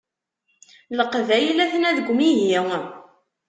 Leqbayel aten-a deg umihi.